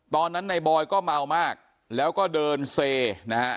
ตอนนั้นในบอยก็เมามากแล้วก็เดินเซนะฮะ